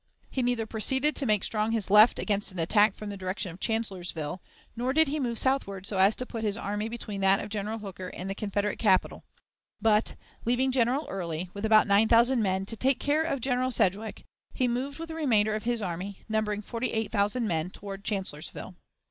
He neither proceeded to make strong his left against an attack from the direction of Chancellorsville nor did he move southward so as to put his army between that of General Hooker and the Confederate capital, but, leaving General Early, with about nine thousand men, to take care of General Sedgwick, he moved with the remainder of his army, numbering forty eight thousand men, toward Chancellorsville.